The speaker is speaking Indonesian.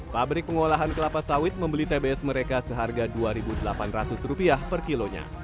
pabrik pengolahan kelapa sawit membeli tbs mereka seharga rp dua delapan ratus per kilonya